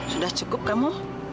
sudah cukup kamu